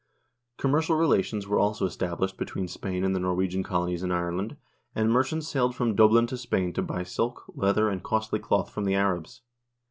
Commercial relations were also established between Spain and the Norwegian colonies in Ireland, and merchants sailed from Dublin to Spain to buy silk, leather, and costly cloth from the Arabs.